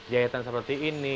jahitan seperti ini